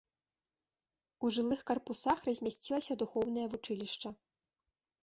У жылых карпусах размясцілася духоўнае вучылішча.